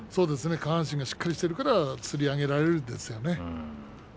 下半身がしっかりしているからこそ、つり上げられるんですね。